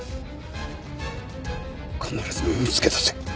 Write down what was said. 必ず見つけ出せ！